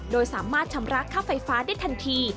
โดยสามารถชำระค่าไฟฟ้าได้ทันที